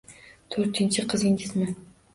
To`rtinchi qizingizmi